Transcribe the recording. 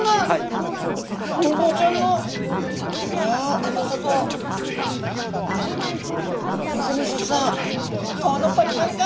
ホウボウちゃんの甘さとみずみずしさ皮のパリパリが！